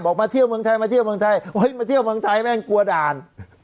มาเที่ยวเมืองไทยมาเที่ยวเมืองไทยมาเที่ยวเมืองไทยแม่งกลัวด่าน